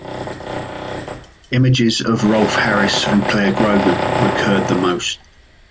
Images of Rolf Harris and Clare Grogan recurred the most.